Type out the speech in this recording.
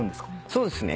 そうですね。